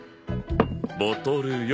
ボトルよ。